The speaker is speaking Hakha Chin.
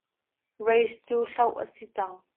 Raise cu hloh a si cang.